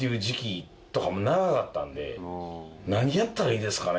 「何やったらいいですかね？」